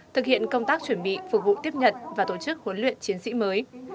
thực hiện công tác chuẩn bị phục vụ tiếp nhận và tổ chức huấn luyện chiến sĩ mới